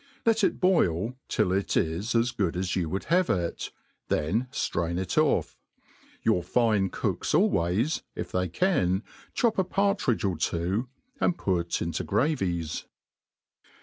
Let it boil till it is as good as you would have it, then ftrain it oiF. Your fine cooks always, if they can, chop a partridge or two, and put into gravies.